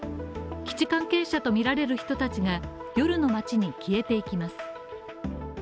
基地関係者とみられる人たちが夜の街に消えていきます。